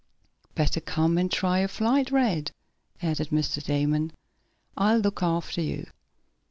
"Better come and try a flight, Rad," added Mr. Damon. "I'll look after you."